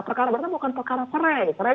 perkara berarti bukan perkara serai